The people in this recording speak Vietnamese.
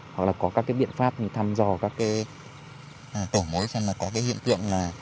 hoặc là có các biện pháp thăm dò các tổ mối xem có hiện tượng là